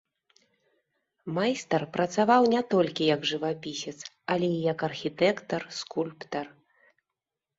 Майстар працаваў не толькі як жывапісец, але і як архітэктар, скульптар.